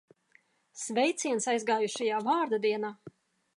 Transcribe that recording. Sveiciens aizgājušajā vārda dienā!